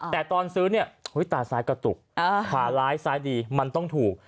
แต่ตอนซื้อเนี่ยตาซ้ายกระตุกขวาร้ายซ้ายดีมันต้องถูก